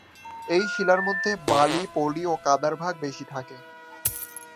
এই শিলার মধ্যে বালি, পলি ও কাদার ভাগ বেশি থাকে।